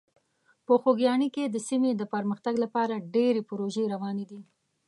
په خوږیاڼي کې د سیمې د پرمختګ لپاره ډېرې پروژې روانې دي.